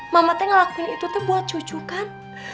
mamatnya ngelakuin itu tuh buat cucu kan